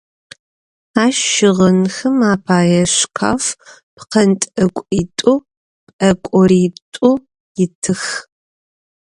Ащ щыгъынхэм апае шкаф, пкъэнтӏэкӏуитӏу, пӏэкӏоритӏу итых.